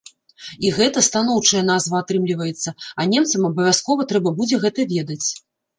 І гэта станоўчая назва атрымліваецца, а немцам абавязкова трэба будзе гэта ведаць.